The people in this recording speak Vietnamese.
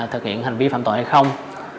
thực hiện hành vi phạm tội hay không